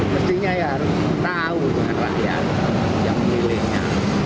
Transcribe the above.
mestinya ya harus tahu dengan rakyat yang memilihnya